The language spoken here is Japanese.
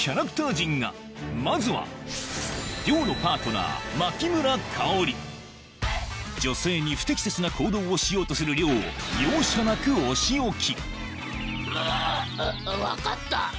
まずはのパートナー女性に不適切な行動をしようとするを容赦なくお仕置きうぅ分かった。